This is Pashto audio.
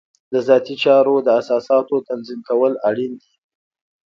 د ذاتي چارو د اساساتو تنظیم کول اړین دي.